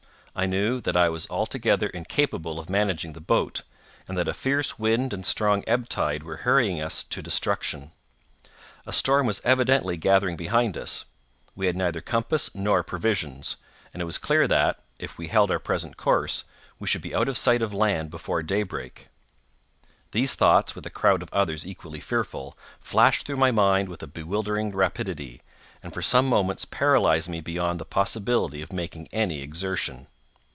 I knew that I was altogether incapable of managing the boat, and that a fierce wind and strong ebb tide were hurrying us to destruction. A storm was evidently gathering behind us; we had neither compass nor provisions; and it was clear that, if we held our present course, we should be out of sight of land before daybreak. These thoughts, with a crowd of others equally fearful, flashed through my mind with a bewildering rapidity, and for some moments paralyzed me beyond the possibility of making any exertion.